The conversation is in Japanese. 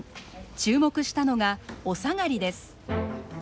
注目したのがおさがりです。